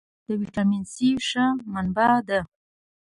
رومیان د ویټامین C ښه منبع دي